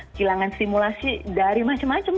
kehilangan stimulasi dari macam macam